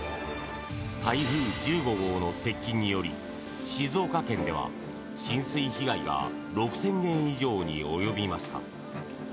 台風１５号の接近により静岡県では、浸水被害が６０００軒以上に及びました。